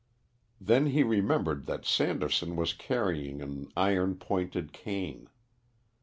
Then he remembered that Sanderson was carrying an iron pointed cane.